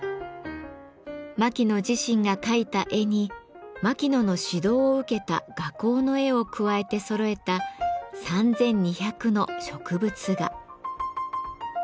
牧野自身が描いた絵に牧野の指導を受けた画工の絵を加えてそろえた３，２００の植物画。